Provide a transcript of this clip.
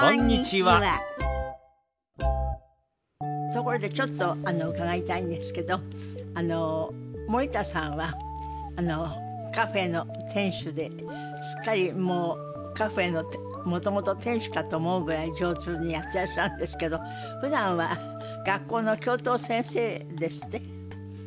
ところでちょっと伺いたいんですけど森田さんはカフェの店主ですっかりもうカフェのもともと店主かと思うぐらい上手にやってらっしゃるんですけどふだんは学校の教頭先生ですって？